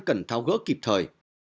cần tháo gỡ kịp thời